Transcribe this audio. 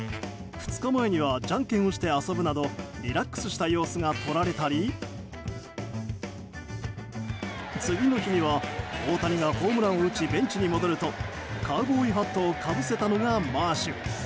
２日前にはじゃんけんをして遊ぶなどリラックスした様子が撮られたり次の日には大谷がホームランを打ちベンチに戻るとカウボーイハットをかぶせたのがマーシュ。